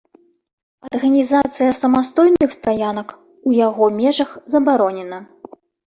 Арганізацыя самастойных стаянак у яго межах забаронена.